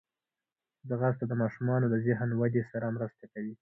ځغاسته د ماشومانو د ذهن ودې سره مرسته کوي